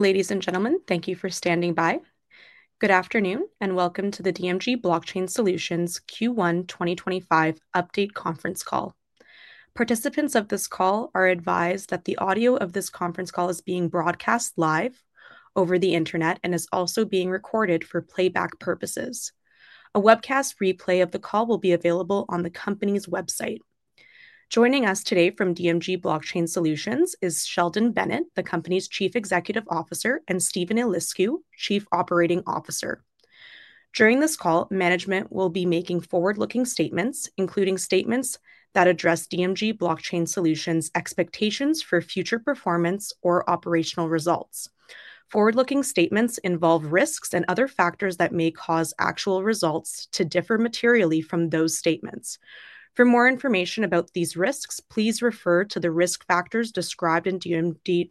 Ladies and gentlemen, thank you for standing by. Good afternoon and welcome to the DMG Blockchain Solutions Q1 2025 Update Conference Call. Participants of this call are advised that the audio of this conference call is being broadcast live over the internet and is also being recorded for playback purposes. A webcast replay of the call will be available on the company's website. Joining us today from DMG Blockchain Solutions is Sheldon Bennett, the company's Chief Executive Officer, and Steven Eliscu, Chief Operating Officer. During this call, management will be making forward-looking statements, including statements that address DMG Blockchain Solutions' expectations for future performance or operational results. Forward-looking statements involve risks and other factors that may cause actual results to differ materially from those statements. For more information about these risks, please refer to the risk factors described in DMG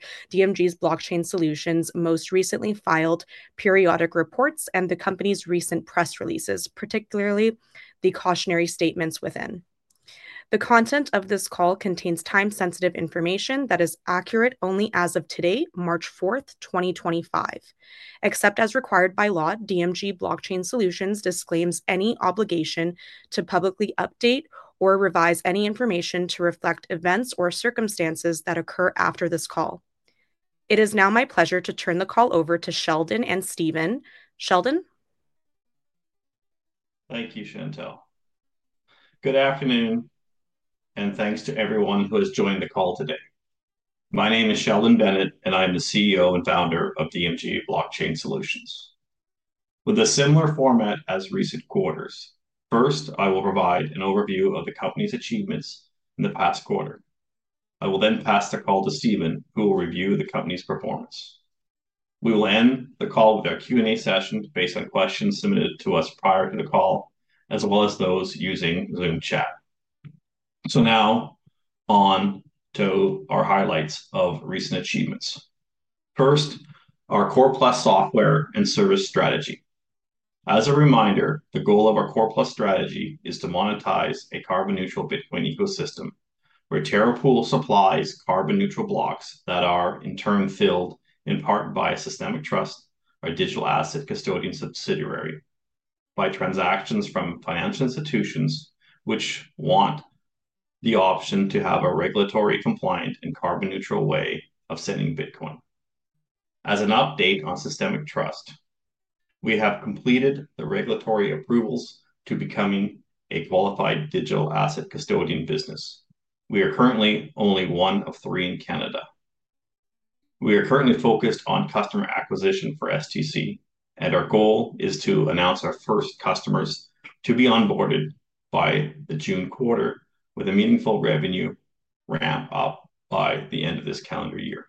Blockchain Solutions' most recently filed periodic reports and the company's recent press releases, particularly the cautionary statements within. The content of this call contains time-sensitive information that is accurate only as of today, March 4th, 2025. Except as required by law, DMG Blockchain Solutions disclaims any obligation to publicly update or revise any information to reflect events or circumstances that occur after this call. It is now my pleasure to turn the call over to Sheldon and Steven. Sheldon. Thank you, Chantelle. Good afternoon and thanks to everyone who has joined the call today. My name is Sheldon Bennett and I am the CEO and founder of DMG Blockchain Solutions. With a similar format as recent quarters, first I will provide an overview of the company's achievements in the past quarter. I will then pass the call to Steven, who will review the company's performance. We will end the call with our Q&A session based on questions submitted to us prior to the call, as well as those using Zoom chat. Now on to our highlights of recent achievements. First, our Core+ software and service strategy. As a reminder, the goal of our Core strategy is to monetize a carbon-neutral Bitcoin ecosystem where Terra Pool supplies carbon-neutral blocks that are in turn filled in part by Systemic Trust, our digital asset custodian subsidiary, by transactions from financial institutions which want the option to have a regulatory compliant and carbon-neutral way of sending Bitcoin. As an update on Systemic Trust, we have completed the regulatory approvals to becoming a qualified digital asset custodian business. We are currently only one of three in Canada. We are currently focused on customer acquisition for STC, and our goal is to announce our first customers to be onboarded by the June quarter with a meaningful revenue ramp up by the end of this calendar year.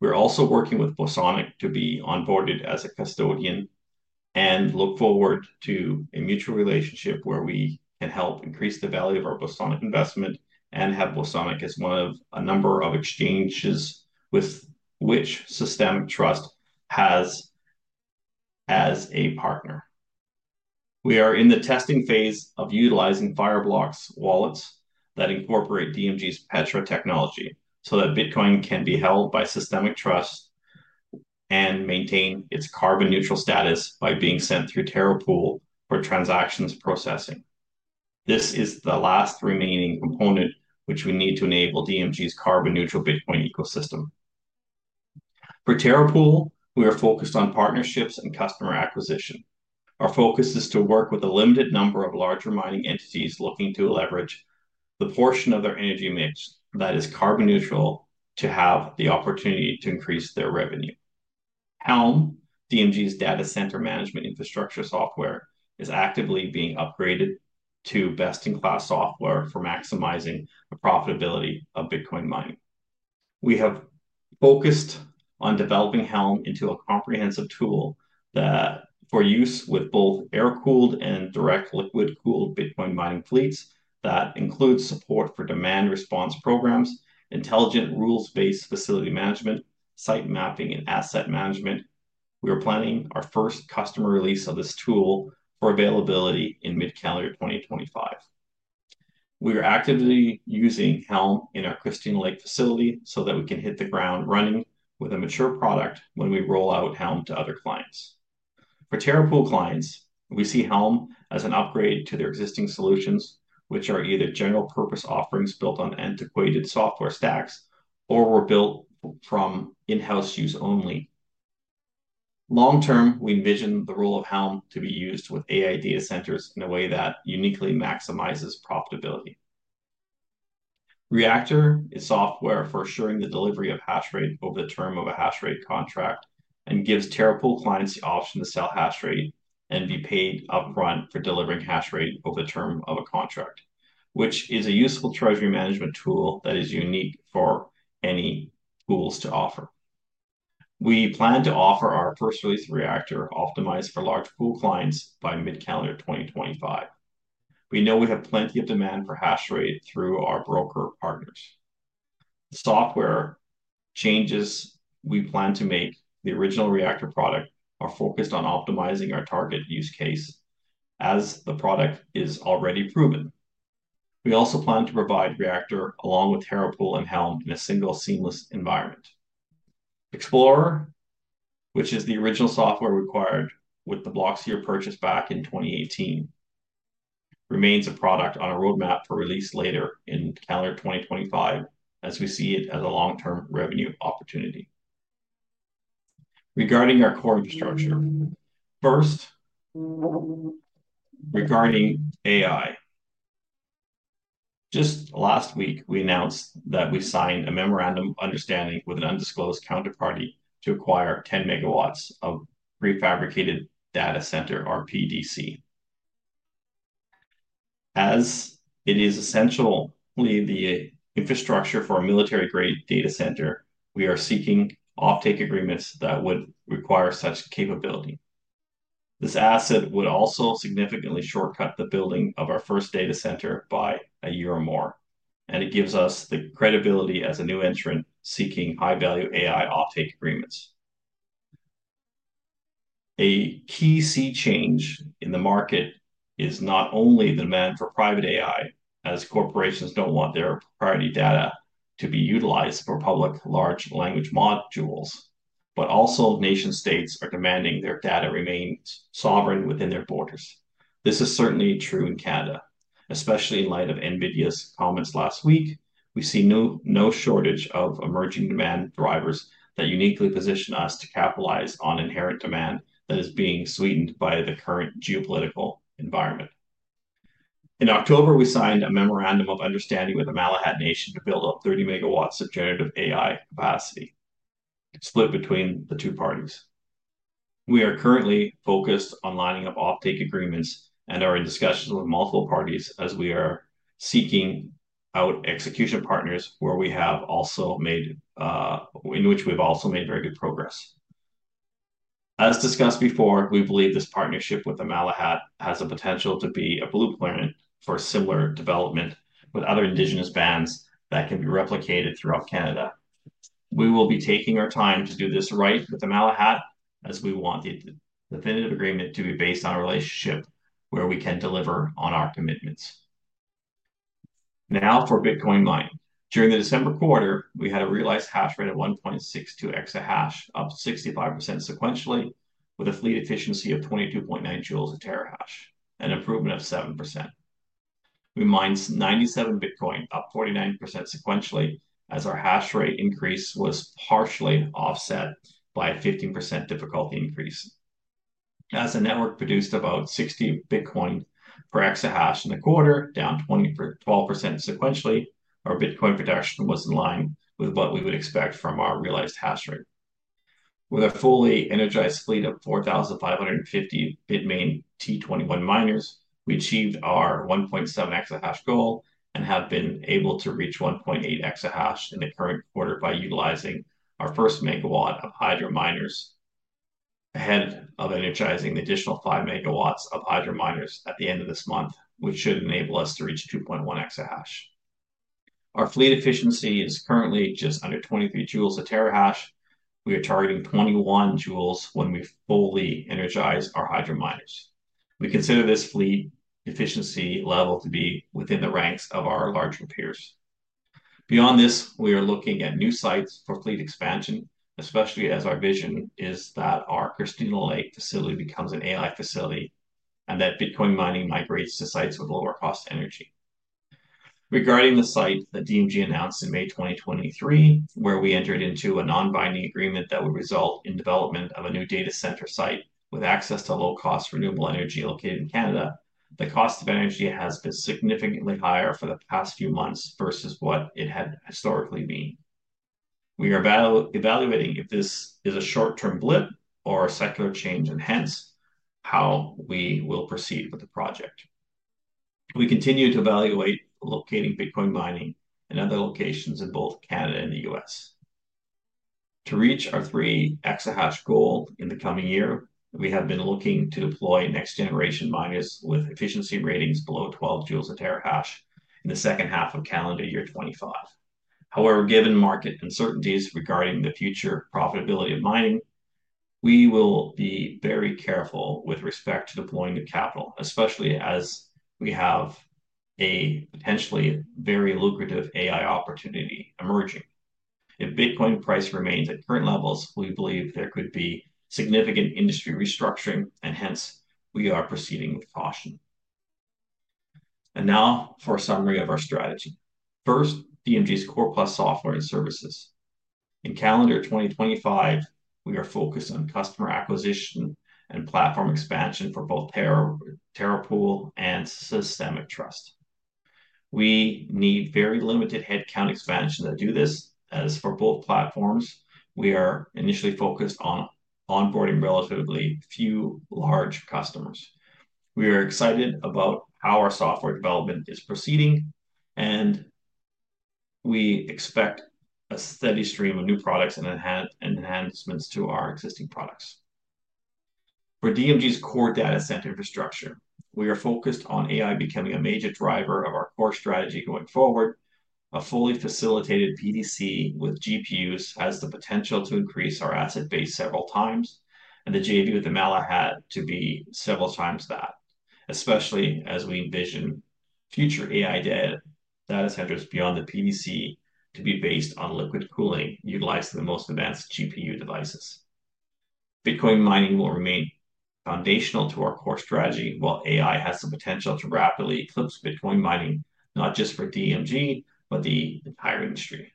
We're also working with Bosonic to be onboarded as a custodian and look forward to a mutual relationship where we can help increase the value of our Bosonic investment and have Bosonic as one of a number of exchanges with which Systemic Trust has as a partner. We are in the testing phase of utilizing Fireblocks wallets that incorporate DMG's Petra technology so that Bitcoin can be held by Systemic Trust and maintain its carbon-neutral status by being sent through Terra Pool for transactions processing. This is the last remaining component which we need to enable DMG's carbon-neutral Bitcoin ecosystem. For Terra Pool, we are focused on partnerships and customer acquisition. Our focus is to work with a limited number of larger mining entities looking to leverage the portion of their energy mix that is carbon-neutral to have the opportunity to increase their revenue. Helm, DMG's data center management infrastructure software, is actively being upgraded to best-in-class software for maximizing the profitability of Bitcoin mining. We have focused on developing Helm into a comprehensive tool for use with both air-cooled and direct liquid-cooled Bitcoin mining fleets that includes support for demand response programs, intelligent rules-based facility management, site mapping, and asset management. We are planning our first customer release of this tool for availability in mid-calendar 2025. We are actively using Helm in our Christina Lake facility so that we can hit the ground running with a mature product when we roll out Helm to other clients. For Terra Pool clients, we see Helm as an upgrade to their existing solutions, which are either general-purpose offerings built on antiquated software stacks or were built from in-house use only. Long term, we envision the role of Helm to be used with AI data centers in a way that uniquely maximizes profitability. Reactor is software for assuring the delivery of hash rate over the term of a hash rate contract and gives Terra Pool clients the option to sell hash rate and be paid upfront for delivering hash rate over the term of a contract, which is a useful treasury management tool that is unique for any pools to offer. We plan to offer our first release of Reactor optimized for large pool clients by mid-calendar 2025. We know we have plenty of demand for hash rate through our broker partners. Software changes we plan to make to the original Reactor product are focused on optimizing our target use case as the product is already proven. We also plan to provide Reactor along with Terra Pool and Helm in a single seamless environment. Explorer, which is the original software required with the blocks you purchased back in 2018, remains a product on a roadmap for release later in calendar 2025 as we see it as a long-term revenue opportunity. Regarding our core infrastructure, first regarding AI, just last week we announced that we signed a memorandum of understanding with an undisclosed counterparty to acquire 10 MW of prefabricated data center, or PDC. As it is essentially the infrastructure for a military-grade data center, we are seeking offtake agreements that would require such capability. This asset would also significantly shortcut the building of our first data center by a year or more, and it gives us the credibility as a new entrant seeking high-value AI offtake agreements. A key sea change in the market is not only the demand for private AI, as corporations do not want their proprietary data to be utilized for public large language models, but also nation-states are demanding their data remain sovereign within their borders. This is certainly true in Canada, especially in light of NVIDIA's comments last week. We see no shortage of emerging demand drivers that uniquely position us to capitalize on inherent demand that is being sweetened by the current geopolitical environment. In October, we signed a memorandum of understanding with the Malahat Nation to build up 30 MW of generative AI capacity split between the two parties. We are currently focused on lining up offtake agreements and are in discussions with multiple parties as we are seeking out execution partners where we have also made, in which we have also made very good progress. As discussed before, we believe this partnership with the Malahat has the potential to be a blueprint for similar development with other Indigenous bands that can be replicated throughout Canada. We will be taking our time to do this right with the Malahat as we want the definitive agreement to be based on a relationship where we can deliver on our commitments. Now for Bitcoin mining. During the December quarter, we had a realized hash rate of 1.62 EH, up 65% sequentially, with a fleet efficiency of 22.9 J/TH, an improvement of 7%. We mined 97 Bitcoin, up 49% sequentially, as our hash rate increase was partially offset by a 15% difficulty increase. As the network produced about 60 Bitcoin per exahash in the quarter, down 12% sequentially, our Bitcoin production was in line with what we would expect from our realized hash rate. With a fully energized fleet of 4,550 Bitmain T21 miners, we achieved our 1.7 EH/s goal and have been able to reach 1.8 EH/s in the current quarter by utilizing our first megawatt of hydro miners. Ahead of energizing the additional 5 MW of hydro miners at the end of this month, which should enable us to reach 2.1 EH/s. Our fleet efficiency is currently just under 23 J/TH. We are targeting 21 J when we fully energize our hydro miners. We consider this fleet efficiency level to be within the ranks of our larger peers. Beyond this, we are looking at new sites for fleet expansion, especially as our vision is that our Christina Lake facility becomes an AI facility and that Bitcoin mining migrates to sites with lower cost energy. Regarding the site that DMG announced in May 2023, where we entered into a non-binding agreement that would result in development of a new data center site with access to low-cost renewable energy located in Canada, the cost of energy has been significantly higher for the past few months versus what it had historically been. We are evaluating if this is a short-term blip or a secular change and hence how we will proceed with the project. We continue to evaluate locating Bitcoin mining in other locations in both Canada and the U.S. To reach our 3 EH/s goal in the coming year, we have been looking to deploy next-generation miners with efficiency ratings below 12 J/TH in the second half of calendar year 2025. However, given market uncertainties regarding the future profitability of mining, we will be very careful with respect to deploying the capital, especially as we have a potentially very lucrative AI opportunity emerging. If Bitcoin price remains at current levels, we believe there could be significant industry restructuring and hence we are proceeding with caution. Now for a summary of our strategy. First, DMG's Core+ software and services. In calendar 2025, we are focused on customer acquisition and platform expansion for both Terra Pool and Systemic Trust. We need very limited headcount expansion to do this, as for both platforms, we are initially focused on onboarding relatively few large customers. We are excited about how our software development is proceeding and we expect a steady stream of new products and enhancements to our existing products. For DMG's core data center infrastructure, we are focused on AI becoming a major driver of our core strategy going forward. A fully facilitated PDC with GPUs has the potential to increase our asset base several times, and the JV with the Malahat to be several times that, especially as we envision future AI data centers beyond the PDC to be based on liquid cooling utilizing the most advanced GPU devices. Bitcoin mining will remain foundational to our core strategy while AI has the potential to rapidly eclipse Bitcoin mining not just for DMG, but the entire industry.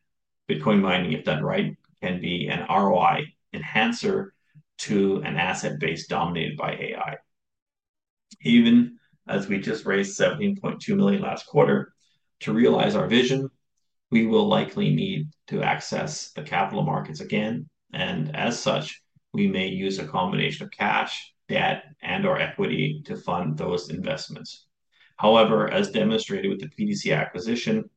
Bitcoin mining, if done right, can be an ROI enhancer to an asset base dominated by AI. Steven as we just raised 17.2 million last quarter, to realize our vision, we will likely need to access the capital markets again and as such, we may use a combination of cash, debt, and our equity to fund those investments. However, as demonstrated with the PDC acquisition,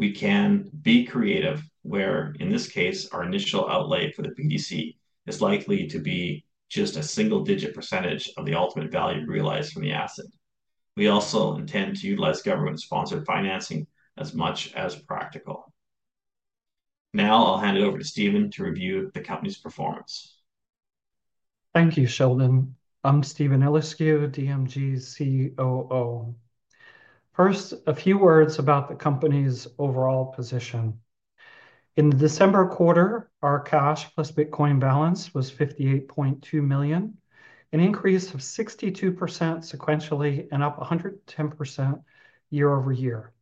we can be creative where in this case our initial outlay for the PDC is likely to be just a single-digit percentage of the ultimate value realized from the asset. We also intend to utilize government-sponsored financing as much as practical. Now I'll hand it over to Steven to review the company's performance. Thank you, Sheldon. I'm Steven Eliscu, DMG's COO. First, a few words about the company's overall position. In the December quarter, our cash plus Bitcoin balance was 58.2 million, an increase of 62% sequentially and up 110% year-over-year.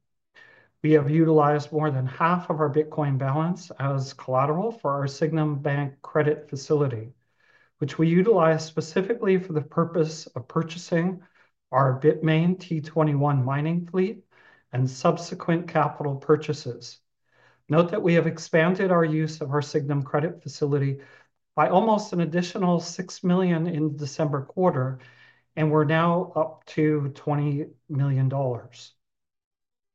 We have utilized more than half of our Bitcoin balance as collateral for our Sygnum Bank credit facility, which we utilize specifically for the purpose of purchasing our Bitmain T21 mining fleet and subsequent capital purchases. Note that we have expanded our use of our Sygnum credit facility by almost an additional 6 million in the December quarter and we're now up to 20 million dollars.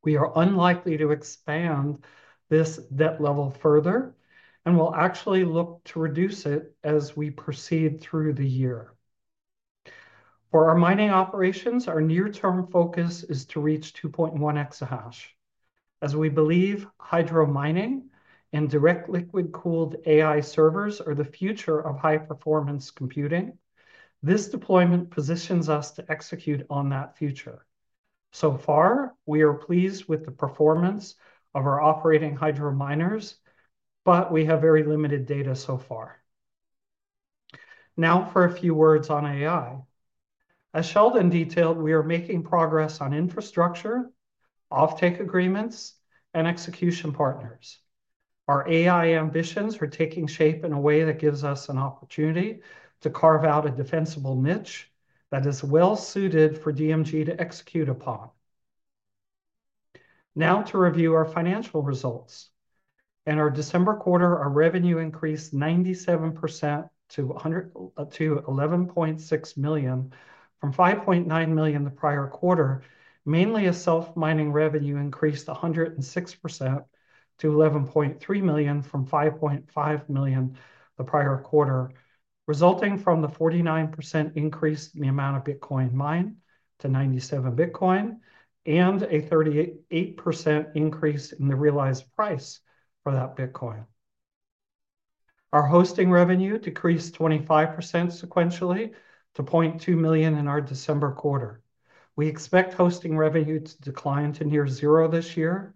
We are unlikely to expand this debt level further and will actually look to reduce it as we proceed through the year. For our mining operations, our near-term focus is to reach 2.1 EH/s. As we believe hydro mining and direct liquid-cooled AI servers are the future of high-performance computing, this deployment positions us to execute on that future. So far, we are pleased with the performance of our operating hydro miners, but we have very limited data so far. Now for a few words on AI. As Sheldon detailed, we are making progress on infrastructure, offtake agreements, and execution partners. Our AI ambitions are taking shape in a way that gives us an opportunity to carve out a defensible niche that is well-suited for DMG to execute upon. Now to review our financial results. In our December quarter, our revenue increased 97% to 11.6 million from 5.9 million the prior quarter, mainly as self-mining revenue increased 106% to 11.3 million from 5.5 million the prior quarter, resulting from the 49% increase in the amount of Bitcoin mined to 97 Bitcoin and a 38% increase in the realized price for that Bitcoin. Our hosting revenue decreased 25% sequentially to 200,000 in our December quarter. We expect hosting revenue to decline to near zero this year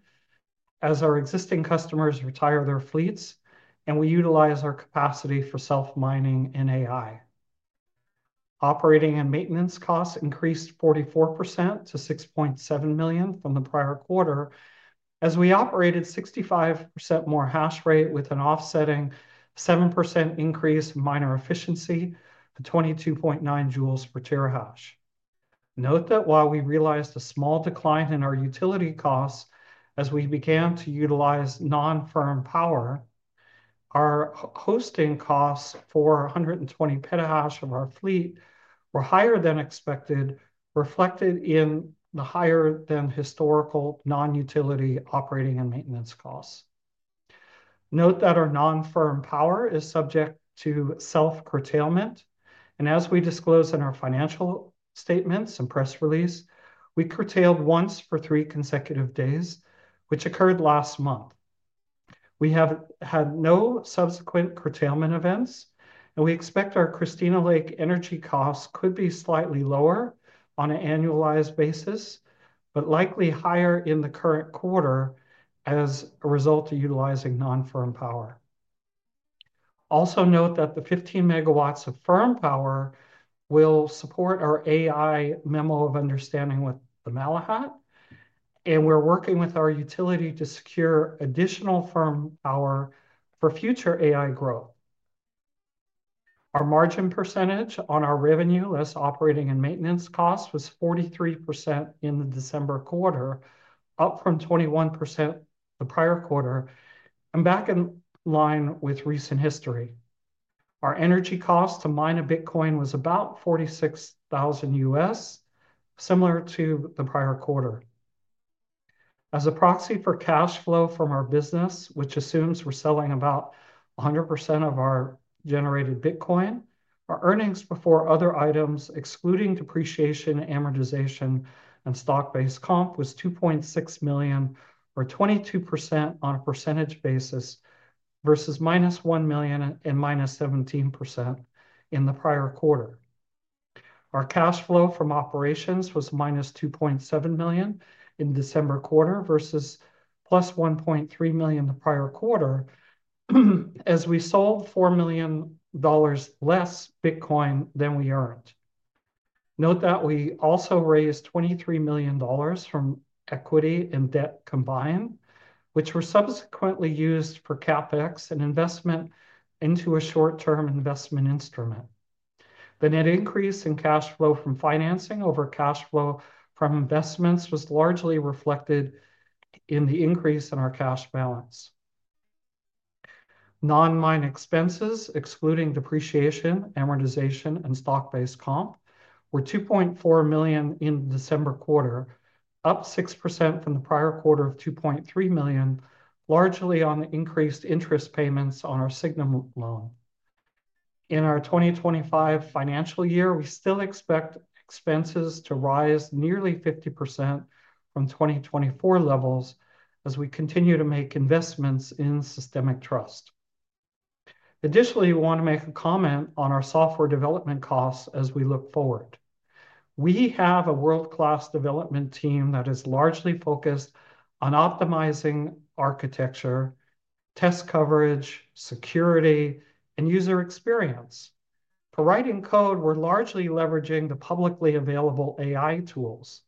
as our existing customers retire their fleets and we utilize our capacity for self-mining and AI. Operating and maintenance costs increased 44% to 6.7 million from the prior quarter as we operated 65% more hash rate with an offsetting 7% increase in miner efficiency to 22.9 J/TH. Note that while we realized a small decline in our utility costs as we began to utilize non-firm power, our hosting costs for 120 PH/s of our fleet were higher than expected, reflected in the higher than historical non-utility operating and maintenance costs. Note that our non-firm power is subject to self-curtailment and as we disclose in our financial statements and press release, we curtailed once for three consecutive days, which occurred last month. We have had no subsequent curtailment events and we expect our Christina Lake energy costs could be slightly lower on an annualized basis, but likely higher in the current quarter as a result of utilizing non-firm power. Also note that the 15 MW of firm power will support our AI memo of understanding with the Malahat and we're working with our utility to secure additional firm power for future AI growth. Our margin % on our revenue as operating and maintenance costs was 43% in the December quarter, up from 21% the prior quarter and back in line with recent history. Our energy cost to mine a Bitcoin was about $46,000 U.S., similar to the prior quarter. As a proxy for cash flow from our business, which assumes we're selling about 100% of our generated Bitcoin, our earnings before other items, excluding depreciation, amortization, and stock-based comp, was 2.6 million or 22% on a percentage basis versus - 1 million and -17% in the prior quarter. Our cash flow from operations was - 2.7 million in December quarter versus + 1.3 million the prior quarter as we sold 4 million dollars less Bitcoin than we earned. Note that we also raised 23 million dollars from equity and debt combined, which were subsequently used for CapEx and investment into a short-term investment instrument. The net increase in cash flow from financing over cash flow from investments was largely reflected in the increase in our cash balance. Non-mine expenses, excluding depreciation, amortization, and stock-based comp, were 2.4 million in the December quarter, up 6% from the prior quarter of 2.3 million, largely on the increased interest payments on our Sygnum loan. In our 2025 financial year, we still expect expenses to rise nearly 50% from 2024 levels as we continue to make investments in Systemic Trust. Additionally, we want to make a comment on our software development costs as we look forward. We have a world-class development team that is largely focused on optimizing architecture, test coverage, security, and user experience. For writing code, we are largely leveraging the publicly available AI tools.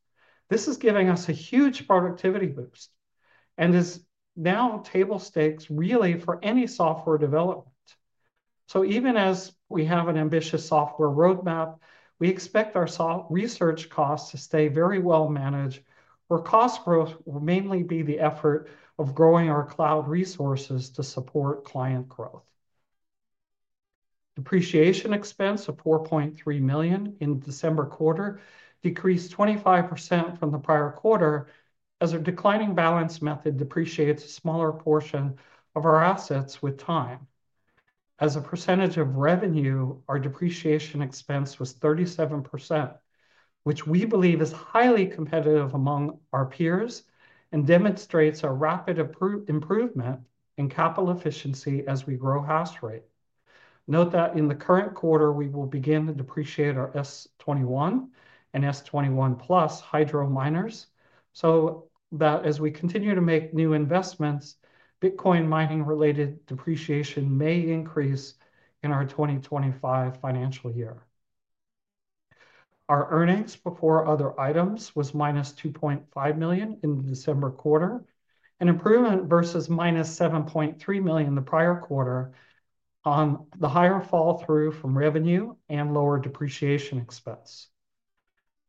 This is giving us a huge productivity boost and is now table stakes really for any software development. Even as we have an ambitious software roadmap, we expect our research costs to stay very well managed where cost growth will mainly be the effort of growing our cloud resources to support client growth. Depreciation expense of 4.3 million in the December quarter decreased 25% from the prior quarter as our declining balance method depreciates a smaller portion of our assets with time. As a percentage of revenue, our depreciation expense was 37%, which we believe is highly competitive among our peers and demonstrates a rapid improvement in capital efficiency as we grow hash rate. Note that in the current quarter, we will begin to depreciate our S21 and S21+ hydro miners so that as we continue to make new investments, Bitcoin mining-related depreciation may increase in our 2025 financial year. Our earnings before other items was - 2.5 million in the December quarter, an improvement versus - 7.3 million the prior quarter on the higher fall through from revenue and lower depreciation expense.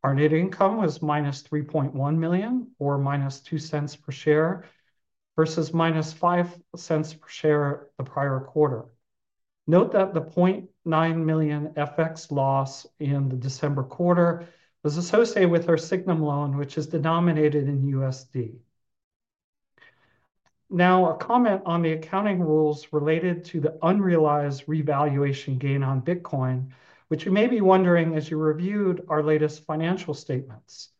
Our net income was - 3.1 million or - 0.02 per share versus - 0.05 per share the prior quarter. Note that the $900,000 FX loss in the December quarter was associated with our Sygnum loan, which is denominated in USD. Now a comment on the accounting rules related to the unrealized revaluation gain on Bitcoin, which you may be wondering as you reviewed our latest financial statements.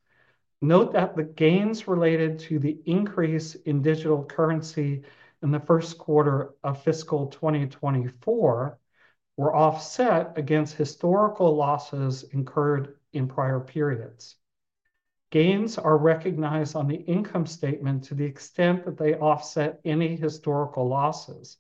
Note that the gains related to the increase in digital currency in the first quarter of fiscal 2024 were offset against historical losses incurred in prior periods. Gains are recognized on the income statement to the extent that they offset any historical losses,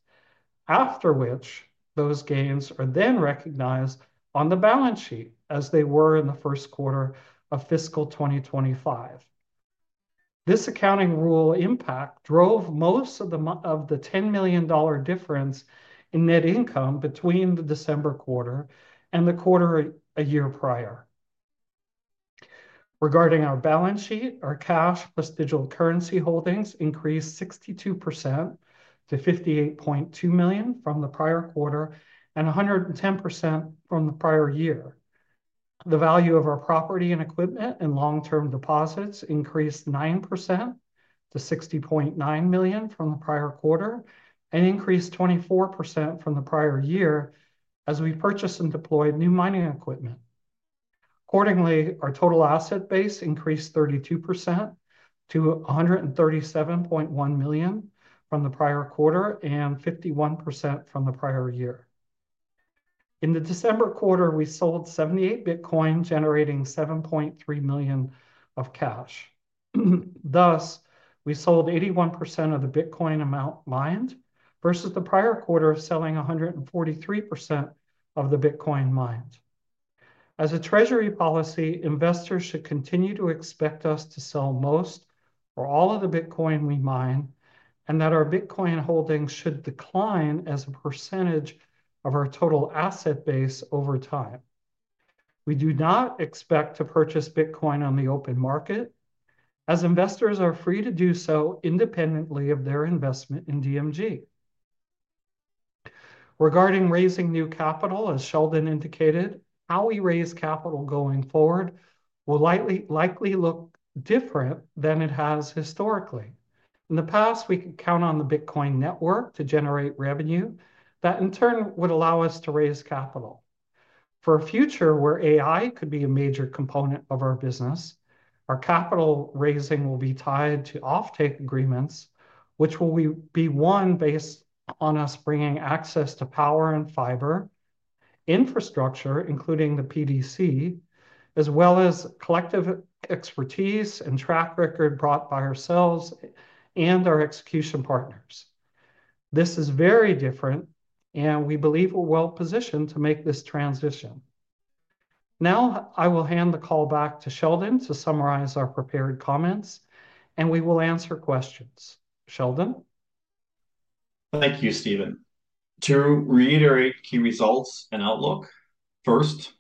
after which those gains are then recognized on the balance sheet as they were in the first quarter of fiscal 2025. This accounting rule impact drove most of the 10 million dollar difference in net income between the December quarter and the quarter a year prior. Regarding our balance sheet, our cash plus digital currency holdings increased 62% to 58.2 million from the prior quarter and 110% from the prior year. The value of our property and equipment and long-term deposits increased 9% to 60.9 million from the prior quarter and increased 24% from the prior year as we purchased and deployed new mining equipment. Accordingly, our total asset base increased 32% to 137.1 million from the prior quarter and 51% from the prior year. In the December quarter, we sold 78 Bitcoin generating 7.3 million of cash. Thus, we sold 81% of the Bitcoin amount mined versus the prior quarter selling 143% of the Bitcoin mined. As a Treasury policy, investors should continue to expect us to sell most or all of the Bitcoin we mine and that our Bitcoin holdings should decline as a percentage of our total asset base over time. We do not expect to purchase Bitcoin on the open market as investors are free to do so independently of their investment in DMG. Regarding raising new capital, as Sheldon indicated, how we raise capital going forward will likely look different than it has historically. In the past, we could count on the Bitcoin network to generate revenue that in turn would allow us to raise capital. For a future where AI could be a major component of our business, our capital raising will be tied to offtake agreements, which will be one based on us bringing access to power and fiber, infrastructure including the PDC, as well as collective expertise and track record brought by ourselves and our execution partners. This is very different and we believe we're well positioned to make this transition. Now I will hand the call back to Sheldon to summarize our prepared comments and we will answer questions. Sheldon. Thank you, Steven. To reiterate key results and outlook, first,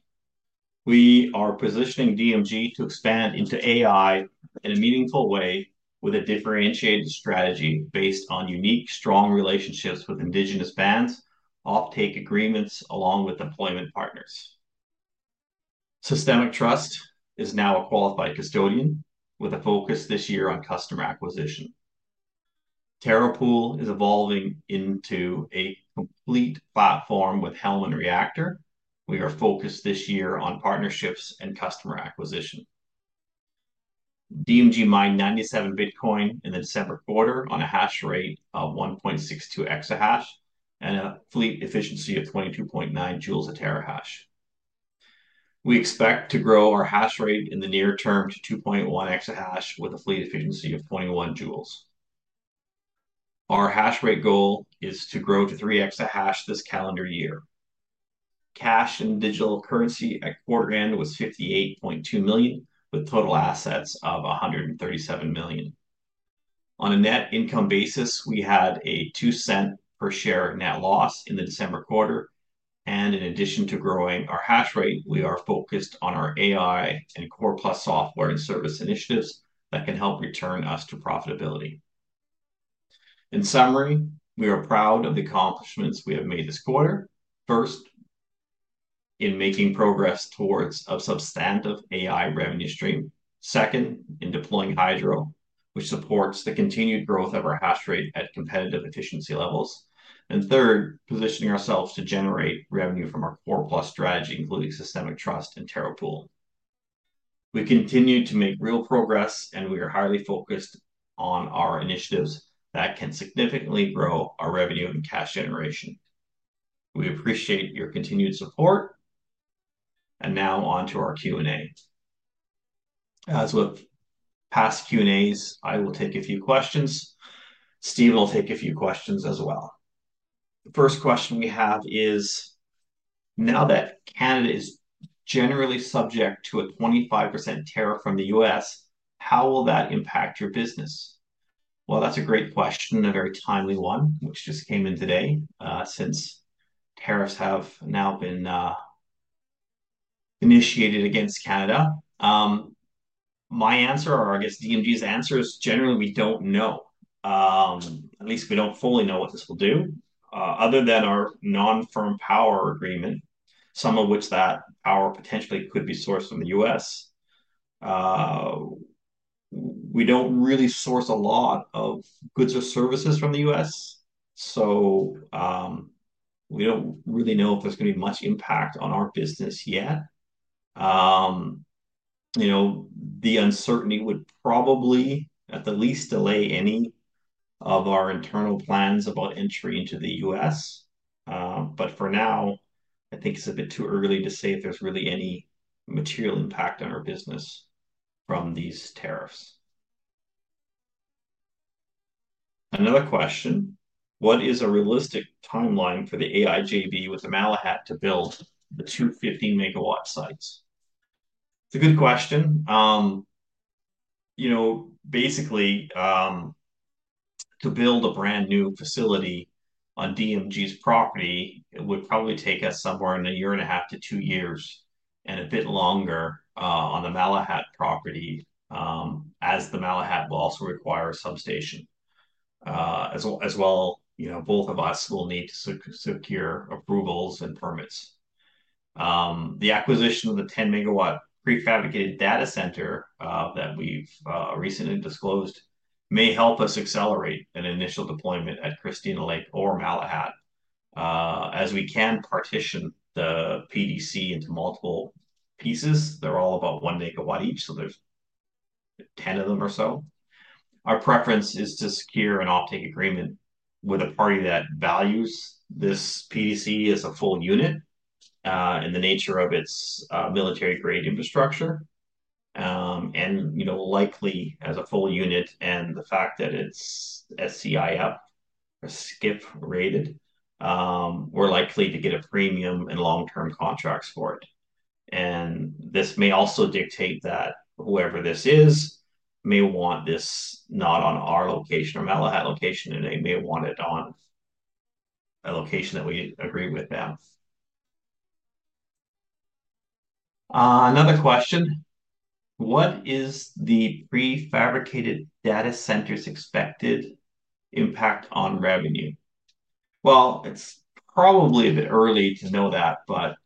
we are positioning DMG to expand into AI in a meaningful way with a differentiated strategy based on unique, strong relationships with Indigenous bands, offtake agreements along with deployment partners. Systemic Trust is now a qualified custodian with a focus this year on customer acquisition. Terra Pool is evolving into a complete platform with Helm and Reactor. We are focused this year on partnerships and customer acquisition. DMG mined 97 Bitcoin in the December quarter on a hash rate of 1.62 EH/s and a fleet efficiency of 22.9 J/TH. We expect to grow our hash rate in the near term to 2.1 EH/s with a fleet efficiency of 21 J Our hash rate goal is to grow to 3 EH/s this calendar year. Cash and digital currency at quarter end was 58.2 million with total assets of 137 million. On a net income basis, we had a 0.02 per share net loss in the December quarter and in addition to growing our hash rate, we are focused on our AI and Core+ software and service initiatives that can help return us to profitability. In summary, we are proud of the accomplishments we have made this quarter. First, in making progress towards a substantive AI revenue stream. Second, in deploying hydro, which supports the continued growth of our hash rate at competitive efficiency levels. Third, positioning ourselves to generate revenue from our Core+ strategy, including Systemic Trust and Terra Pool. We continue to make real progress and we are highly focused on our initiatives that can significantly grow our revenue and cash generation. We appreciate your continued support and now on to our Q&A. As with past Q&As, I will take a few questions. Steven will take a few questions as well. The first question we have is, now that Canada is generally subject to a 25% tariff from the U.S., how will that impact your business? That's a great question, a very timely one, which just came in today since tariffs have now been initiated against Canada. My answer, or I guess DMG's answer is generally we don't know. At least we don't fully know what this will do other than our non-firm power agreement, some of which that power potentially could be sourced from the U.S. We don't really source a lot of goods or services from the U.S., so we don't really know if there's going to be much impact on our business yet. You know, the uncertainty would probably at the least delay any of our internal plans about entry into the U.S. For now, I think it's a bit too early to say if there's really any material impact on our business from these tariffs. Another question, what is a realistic timeline for the AI JV with the Malahat to build the 250 MW sites? It's a good question. You know, basically to build a brand new facility on DMG's property, it would probably take us somewhere in a year and a half to two years and a bit longer on the Malahat property as the Malahat will also require a substation. As well, you know, both of us will need to secure approvals and permits. The acquisition of the 10 MW prefabricated data center that we've recently disclosed may help us accelerate an initial deployment at Christina Lake or Malahat as we can partition the PDC into multiple pieces. They're all about 1 MW each, so there's 10 of them or so. Our preference is to secure an offtake agreement with a party that values this PDC as a full unit in the nature of its military-grade infrastructure. You know, likely as a full unit and the fact that it's SCIF or SCIF-rated, we're likely to get a premium and long-term contracts for it. This may also dictate that whoever this is may want this not on our location or Malahat location and they may want it on a location that we agree with them. Another question, what is the prefabricated data center's expected impact on revenue? It's probably a bit early to know that, but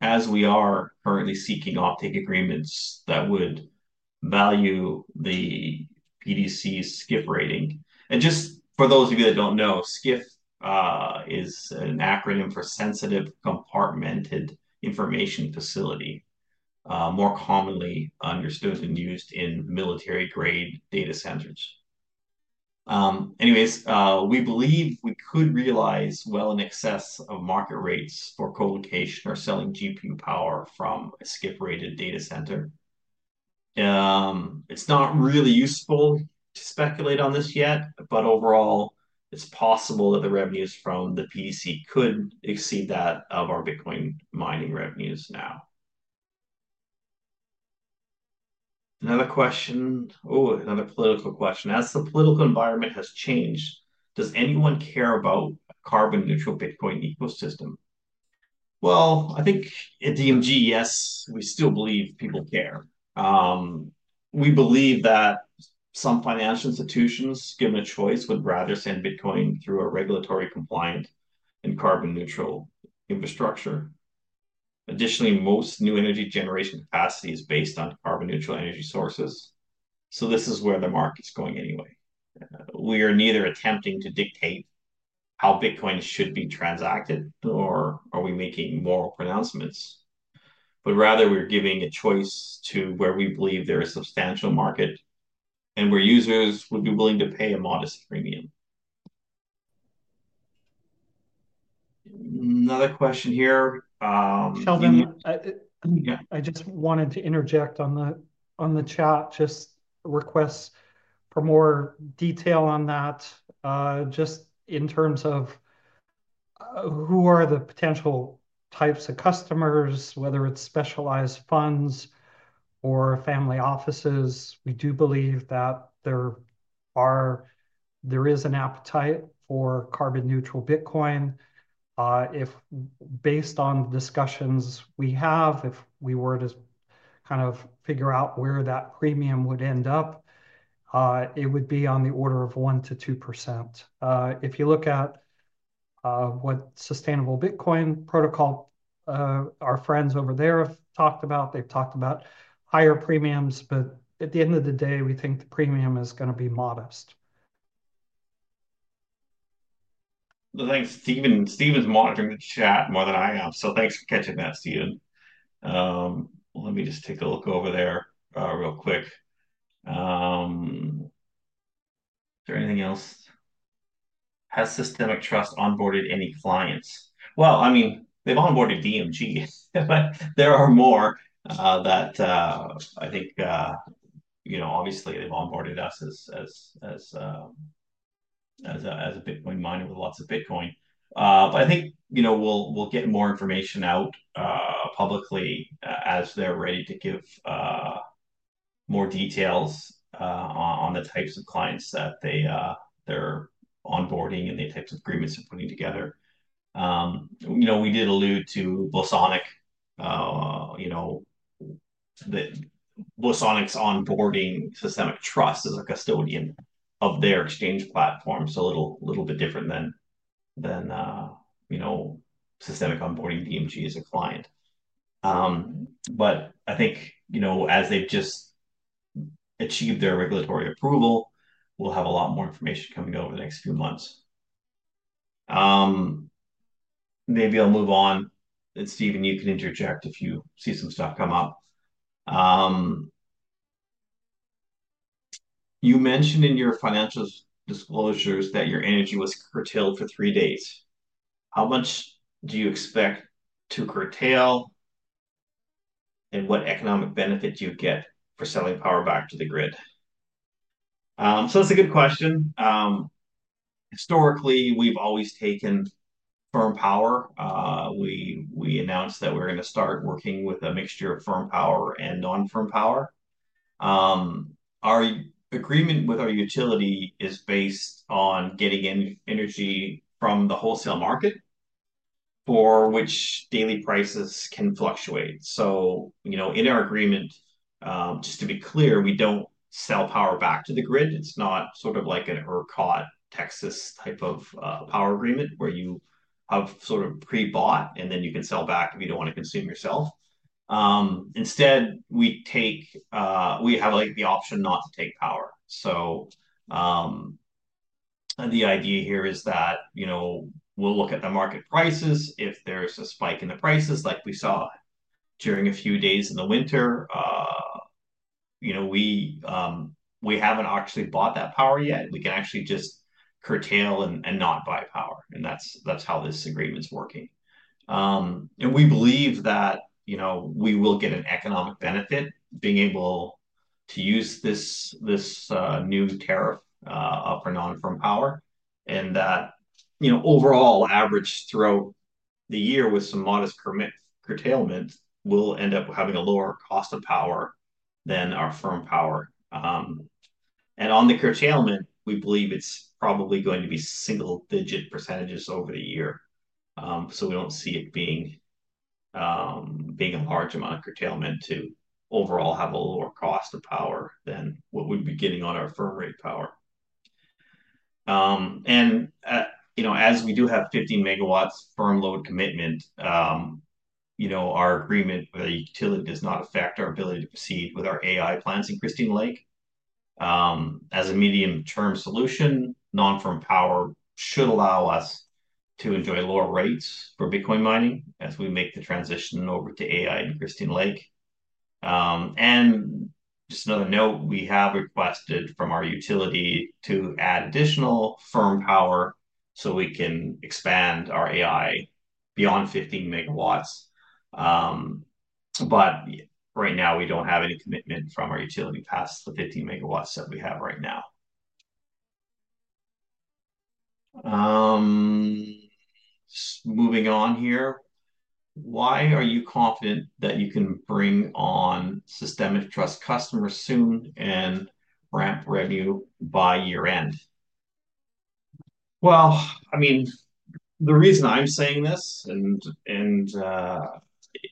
as we are currently seeking offtake agreements that would value the PDC's SCIF rating. Just for those of you that don't know, SCIF is an acronym for Sensitive Compartmented Information Facility, more commonly understood and used in military-grade data centers. Anyways, we believe we could realize well in excess of market rates for co-location or selling GPU power from a SCIF-rated data center. It is not really useful to speculate on this yet, but overall it is possible that the revenues from the PDC could exceed that of our Bitcoin mining revenues now. Another question, oh, another political question. As the political environment has changed, does anyone care about a carbon-neutral Bitcoin ecosystem? I think at DMG, yes, we still believe people care. We believe that some financial institutions, given a choice, would rather send Bitcoin through a regulatory-compliant and carbon-neutral infrastructure. Additionally, most new energy generation capacity is based on carbon-neutral energy sources. This is where the market is going anyway. We are neither attempting to dictate how Bitcoin should be transacted nor are we making moral pronouncements, but rather we're giving a choice to where we believe there is substantial market and where users would be willing to pay a modest premium. Another question here. Sheldon, I just wanted to interject on the chat, just requests for more detail on that. Just in terms of who are the potential types of customers, whether it's specialized funds or family offices, we do believe that there is an appetite for carbon-neutral Bitcoin. If based on the discussions we have, if we were to kind of figure out where that premium would end up, it would be on the order of 1%-2%. If you look at what Sustainable Bitcoin Protocol, our friends over there have talked about, they've talked about higher premiums, but at the end of the day, we think the premium is going to be modest. Thanks, Steven. Steven's monitoring the chat more than I am, so thanks for catching that, Steven. Let me just take a look over there real quick. Is there anything else? Has Systemic Trust onboarded any clients? I mean, they've onboarded DMG, but there are more that I think, you know, obviously they've onboarded us as a Bitcoin miner with lots of Bitcoin. I think, you know, we'll get more information out publicly as they're ready to give more details on the types of clients that they're onboarding and the types of agreements they're putting together. You know, we did allude to Bosonic. You know, Bosonic's onboarding Systemic Trust as a custodian of their exchange platform, so a little bit different than, you know, Systemic onboarding DMG as a client. I think, you know, as they've just achieved their regulatory approval, we'll have a lot more information coming over the next few months. Maybe I'll move on and Steven, you can interject if you see some stuff come up. You mentioned in your financial disclosures that your energy was curtailed for three days. How much do you expect to curtail and what economic benefit do you get for selling power back to the grid? That's a good question. Historically, we've always taken firm power. We announced that we're going to start working with a mixture of firm power and non-firm power. Our agreement with our utility is based on getting energy from the wholesale market for which daily prices can fluctuate. You know, in our agreement, just to be clear, we do not sell power back to the grid. It is not sort of like an ERCOT Texas type of power agreement where you have sort of pre-bought and then you can sell back if you do not want to consume yourself. Instead, we have the option not to take power. The idea here is that, you know, we will look at the market prices. If there is a spike in the prices like we saw during a few days in the winter, you know, we have not actually bought that power yet. We can actually just curtail and not buy power. That is how this agreement is working. We believe that, you know, we will get an economic benefit being able to use this new tariff for non-firm power and that, you know, overall average throughout the year with some modest curtailment will end up having a lower cost of power than our firm power. On the curtailment, we believe it's probably going to be single-digit percentages over the year. We do not see it being a large amount of curtailment to overall have a lower cost of power than what we'd be getting on our firm-rate power. You know, as we do have 15 MW firm-load commitment, our agreement with the utility does not affect our ability to proceed with our AI plants in Christina Lake. As a medium-term solution, non-firm power should allow us to enjoy lower rates for Bitcoin mining as we make the transition over to AI in Christina Lake. Just another note, we have requested from our utility to add additional firm power so we can expand our AI beyond 15 MW. Right now, we do not have any commitment from our utility past the 15 MW that we have right now. Moving on here, why are you confident that you can bring on Systemic Trust customers soon and ramp revenue by year-end? I mean, the reason I am saying this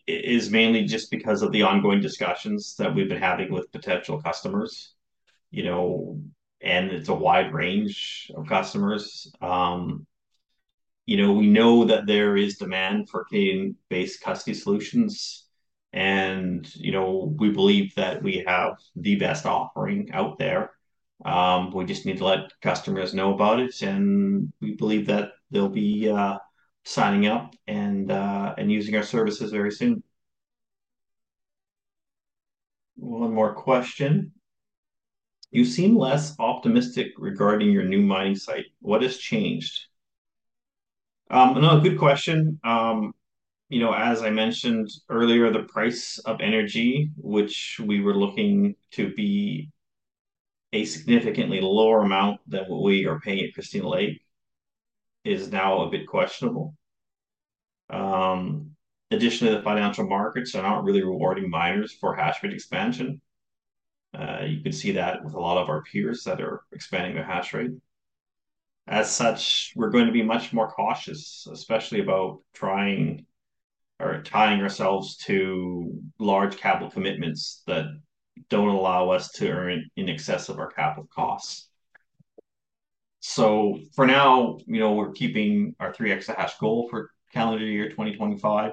is mainly just because of the ongoing discussions that we have been having with potential customers, you know, and it is a wide range of customers. You know, we know that there is demand for Canada-based custody solutions and, you know, we believe that we have the best offering out there. We just need to let customers know about it and we believe that they'll be signing up and using our services very soon. One more question. You seem less optimistic regarding your new mining site. What has changed? Another good question. You know, as I mentioned earlier, the price of energy, which we were looking to be a significantly lower amount than what we are paying at Christina Lake, is now a bit questionable. Additionally, the financial markets are not really rewarding miners for hash rate expansion. You can see that with a lot of our peers that are expanding their hash rate. As such, we are going to be much more cautious, especially about trying or tying ourselves to large capital commitments that do not allow us to earn in excess of our capital costs. For now, you know, we are keeping our 3 EH/s goal for calendar year 2025.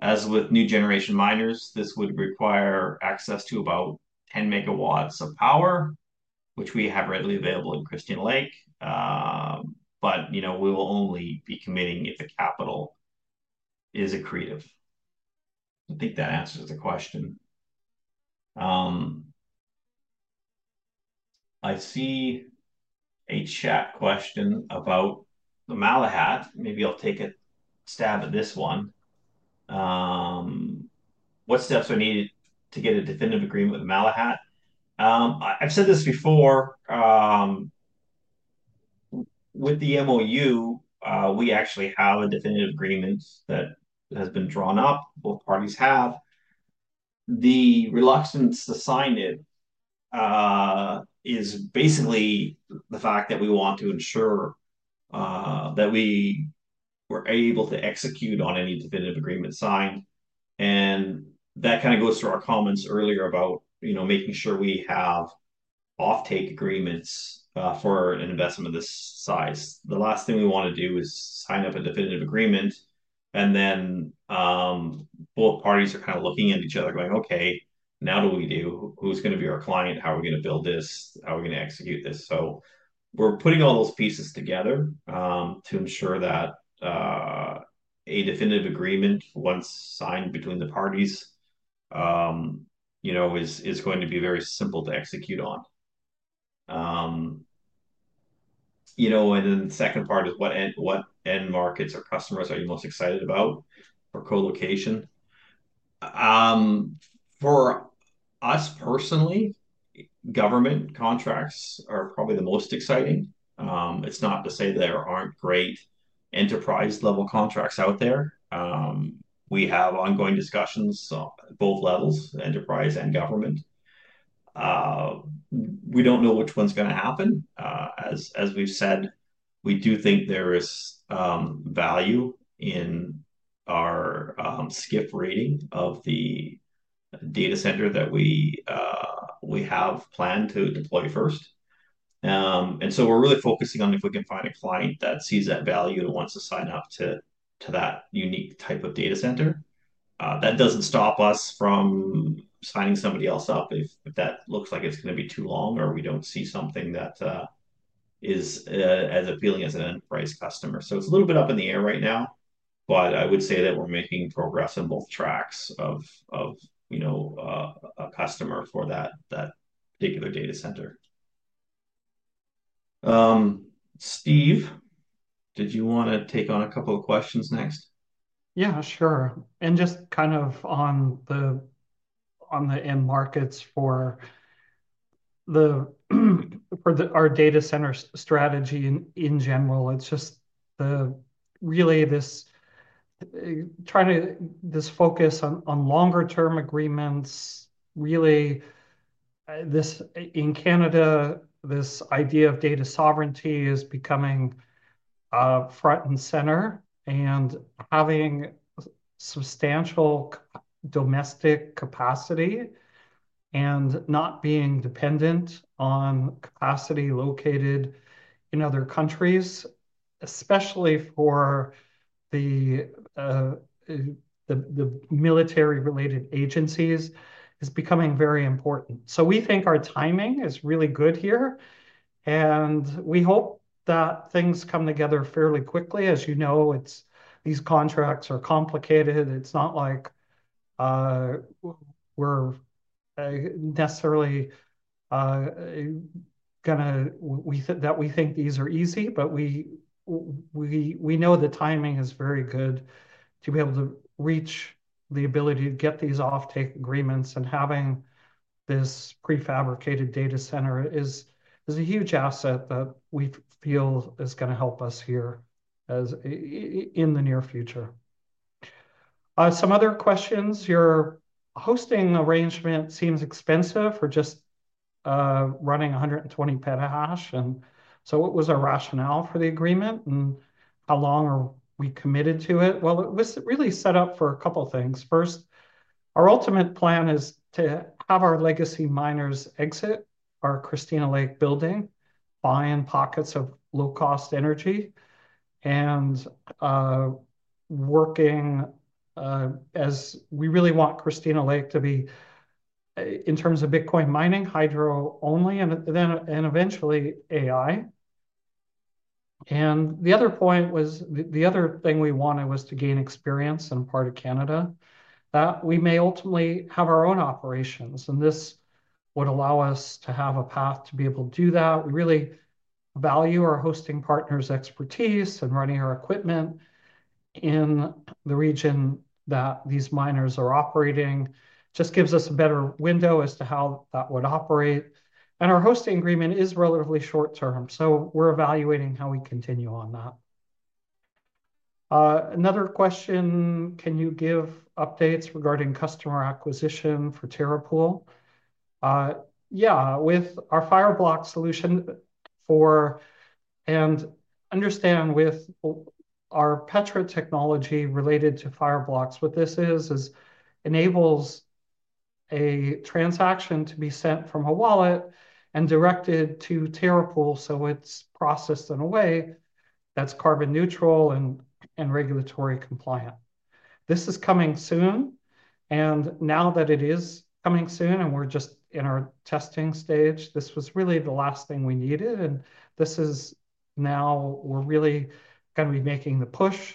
As with new generation miners, this would require access to about 10 MW of power, which we have readily available in Christina Lake. You know, we will only be committing if the capital is accretive. I think that answers the question. I see a chat question about the Malahat. Maybe I'll take a stab at this one. What steps are needed to get a definitive agreement with Malahat? I've said this before. With the MOU, we actually have a definitive agreement that has been drawn up. Both parties have. The reluctance to sign it is basically the fact that we want to ensure that we were able to execute on any definitive agreement signed. That kind of goes through our comments earlier about, you know, making sure we have offtake agreements for an investment of this size. The last thing we want to do is sign up a definitive agreement. And then both parties are kind of looking at each other going, "Okay, now what do we do? Who's going to be our client? How are we going to build this? How are we going to execute this?" We are putting all those pieces together to ensure that a definitive agreement, once signed between the parties, you know, is going to be very simple to execute on. You know, and then the second part is what end markets or customers are you most excited about for co-location? For us personally, government contracts are probably the most exciting. It's not to say there aren't great enterprise-level contracts out there. We have ongoing discussions at both levels, enterprise and government. We don't know which one's going to happen. As we've said, we do think there is value in our SCIF rating of the data center that we have planned to deploy first. We are really focusing on if we can find a client that sees that value and wants to sign up to that unique type of data center. That does not stop us from signing somebody else up if that looks like it is going to be too long or we do not see something that is as appealing as an enterprise customer. It is a little bit up in the air right now, but I would say that we are making progress on both tracks of, you know, a customer for that particular data center. Steve, did you want to take on a couple of questions next? Yeah, sure. Just kind of on the end markets for our data center strategy in general, it's just really this trying to focus on longer-term agreements, really this in Canada, this idea of data sovereignty is becoming front and center and having substantial domestic capacity and not being dependent on capacity located in other countries, especially for the military-related agencies, is becoming very important. We think our timing is really good here. We hope that things come together fairly quickly. As you know, these contracts are complicated. It's not like we necessarily think these are easy, but we know the timing is very good to be able to reach the ability to get these offtake agreements. Having this prefabricated data center is a huge asset that we feel is going to help us here in the near future. Some other questions. Your hosting arrangement seems expensive for just running 120 PH/s. What was our rationale for the agreement and how long are we committed to it? It was really set up for a couple of things. First, our ultimate plan is to have our legacy miners exit our Christina Lake building, buy in pockets of low-cost energy, and working as we really want Christina Lake to be in terms of Bitcoin mining, hydro only, and then eventually AI. The other point was the other thing we wanted was to gain experience in part of Canada that we may ultimately have our own operations. This would allow us to have a path to be able to do that. We really value our hosting partner's expertise in running our equipment in the region that these miners are operating. Just gives us a better window as to how that would operate. Our hosting agreement is relatively short-term. We are evaluating how we continue on that. Another question, can you give updates regarding customer acquisition for Terra Pool? Yeah, with our Fireblocks solution for and understand with our Petra technology related to Fireblocks, what this is, is enables a transaction to be sent from a wallet and directed to Terra Pool so it is processed in a way that is carbon neutral and regulatory compliant. This is coming soon. Now that it is coming soon and we are just in our testing stage, this was really the last thing we needed. This is now we are really going to be making the push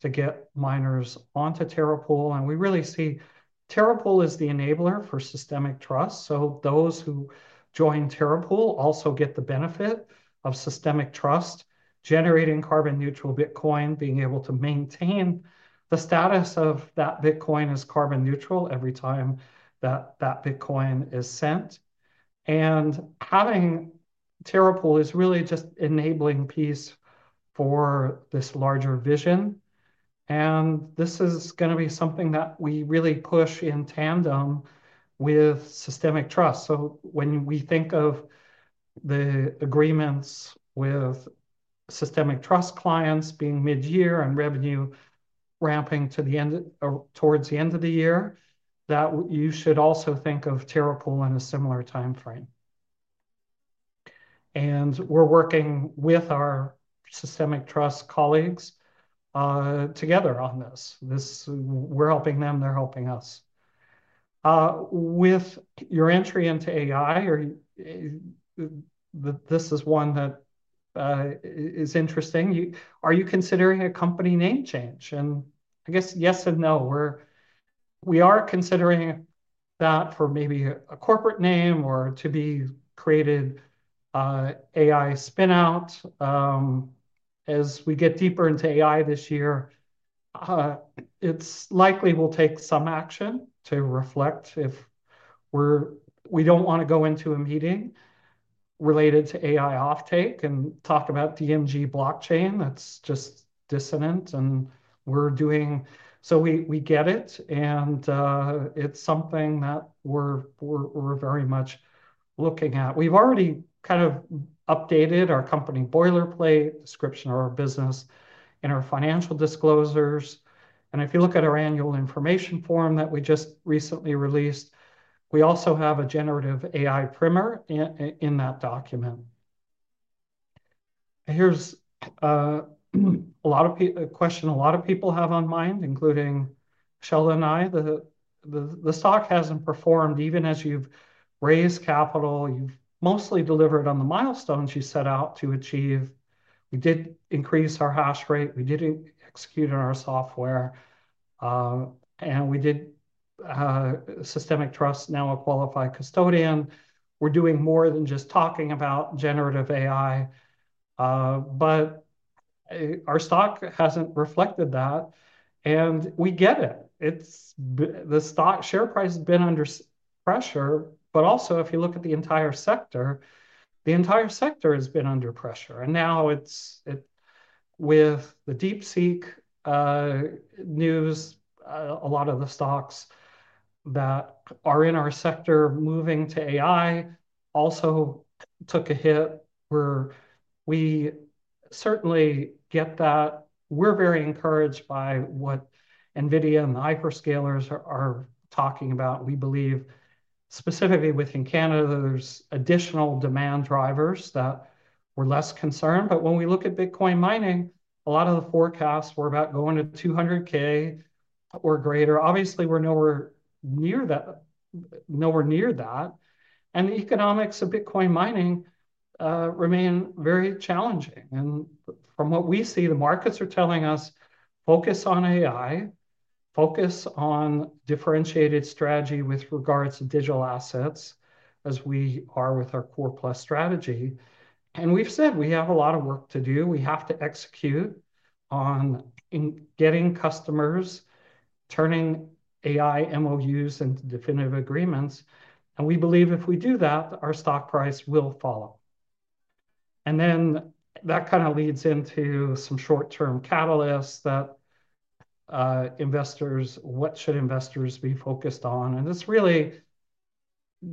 to get miners onto Terra Pool. We really see Terra Pool as the enabler for Systemic Trust. Those who join Terra Pool also get the benefit of Systemic Trust generating carbon-neutral Bitcoin, being able to maintain the status of that Bitcoin as carbon-neutral every time that that Bitcoin is sent. Having Terra Pool is really just an enabling piece for this larger vision. This is going to be something that we really push in tandem with Systemic Trust. When we think of the agreements with Systemic Trust clients being mid-year and revenue ramping towards the end of the year, you should also think of Terra Pool in a similar timeframe. We are working with our Systemic Trust colleagues together on this. We are helping them, they are helping us. With your entry into AI, this is one that is interesting. Are you considering a company name change? I guess yes and no. We are considering that for maybe a corporate name or to be created AI spinout. As we get deeper into AI this year, it's likely we'll take some action to reflect if we don't want to go into a meeting related to AI offtake and talk about DMG Blockchain. That's just dissonant. We get it. It's something that we're very much looking at. We've already kind of updated our company boilerplate description of our business in our financial disclosures. If you look at our annual information form that we just recently released, we also have a generative AI primer in that document. Here's a lot of questions a lot of people have on mind, including Michelle and I. The stock hasn't performed even as you've raised capital. You've mostly delivered on the milestones you set out to achieve. We did increase our hash rate. We did execute on our software. And we did Systemic Trust, now a qualified custodian. We're doing more than just talking about generative AI. But our stock hasn't reflected that. We get it. The stock share price has been under pressure. Also, if you look at the entire sector, the entire sector has been under pressure. Now, with the DeepSeek news, a lot of the stocks that are in our sector moving to AI also took a hit. We certainly get that. We're very encouraged by what NVIDIA and the hyperscalers are talking about. We believe specifically within Canada, there are additional demand drivers that we're less concerned about. When we look at Bitcoin mining, a lot of the forecasts were about going to 200,000 or greater. Obviously, we're nowhere near that. The economics of Bitcoin mining remain very challenging. From what we see, the markets are telling us, focus on AI, focus on differentiated strategy with regards to digital assets as we are with our Core+ strategy. We have said we have a lot of work to do. We have to execute on getting customers, turning AI MOUs into definitive agreements. We believe if we do that, our stock price will follow. That kind of leads into some short-term catalysts that investors, what should investors be focused on? It is really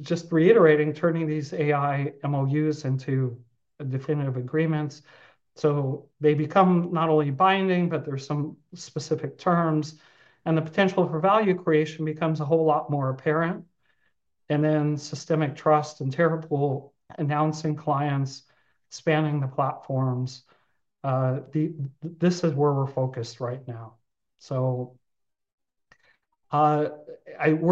just reiterating, turning these AI MOUs into definitive agreements. They become not only binding, but there are some specific terms. The potential for value creation becomes a whole lot more apparent. Systemic Trust and Terra Pool announcing clients spanning the platforms. This is where we are focused right now. We are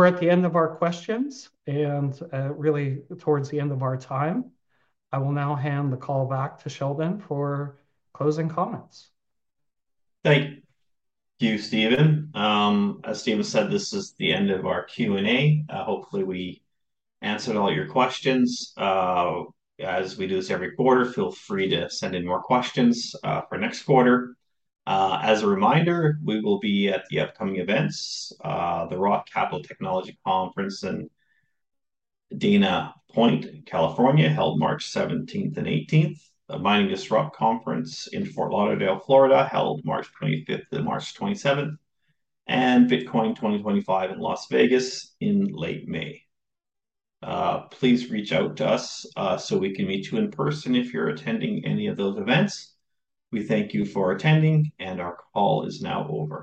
at the end of our questions and really towards the end of our time. I will now hand the call back to Sheldon for closing comments. Thank you, Steven. As Steven said, this is the end of our Q&A. Hopefully, we answered all your questions. As we do this every quarter, feel free to send in more questions for next quarter. As a reminder, we will be at the upcoming events, the Roth Capital Technology Conference in Dana Point, California, held March 17th and 18th. The Mining Disrupt Conference in Fort Lauderdale, Florida, held March 25th to March 27th. Bitcoin 2025 in Las Vegas in late May. Please reach out to us so we can meet you in person if you are attending any of those events. We thank you for attending and our call is now over.